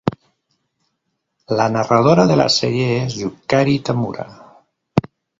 La narradora de la serie es Yukari Tamura.